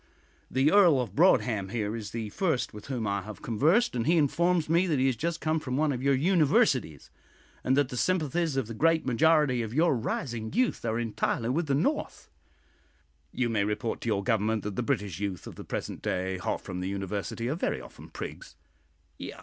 The Earl of Broadhem, here, is the first with whom I have conversed, and he informs me that he has just come from one of your universities, and that the sympathies of the great majority of your rising youth are entirely with the North." "You may report to your Government that the British youth of the present day, hot from the university, are very often prigs."